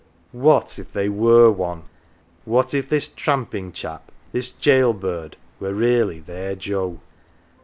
What if they were one ? What if this " tramping chap," this jail bird, were really their Joe